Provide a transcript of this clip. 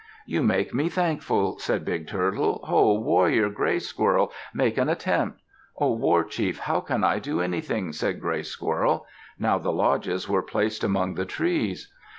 "You make me thankful," said Big Turtle. "Ho! warrior Gray Squirrel, make an attempt." "O war chief, how can I do anything?" said Gray Squirrel. Now the lodges were placed among the trees.